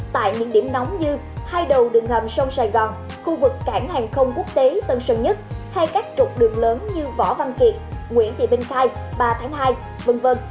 tại những điểm nóng như hai đầu đường hầm sông sài gòn khu vực cảng hàng không quốc tế tân sơn nhất hay các trục đường lớn như võ văn kiệt nguyễn thị minh khai ba tháng hai v v